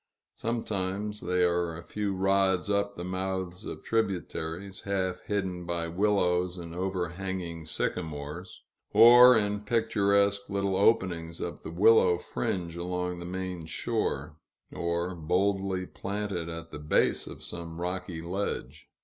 Sometimes they are a few rods up the mouths of tributaries, half hidden by willows and overhanging sycamores; or, in picturesque little openings of the willow fringe along the main shore; or, boldly planted at the base of some rocky ledge.